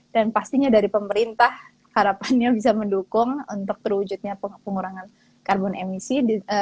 dan pastinya dari pemerintah harapannya bisa mendukung untuk terwujudnya pengurangan karbon emisi